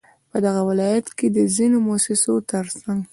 په دغه ولايت كې د ځينو مؤسسو ترڅنگ